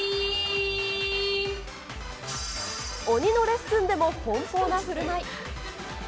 鬼のレッスンでも奔放なふるまい。